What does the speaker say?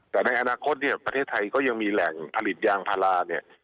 แต่ในอนาคตเนี่ยประเทศไทยก็ยังมีแหล่งผลิตยางพาราเนี่ย